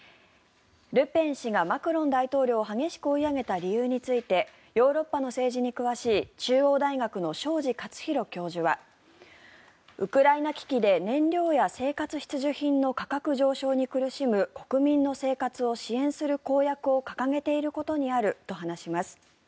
ルペン氏がマクロン大統領を激しく追い上げた理由についてヨーロッパの政治に詳しい中央大学の庄司克宏教授はウクライナ危機で燃料や生活必需品の価格上昇に苦しむ国民の生活を支援する公約を掲げていることにあると話します。